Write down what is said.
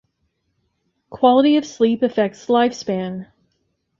Quality of sleep affects lifespan.